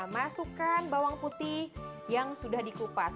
masukkan bawang putih yang sudah dikupas